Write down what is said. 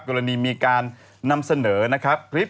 กรณีมีการนำเสนอนะครับคลิป